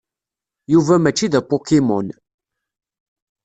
Yuba mačči d apokimon.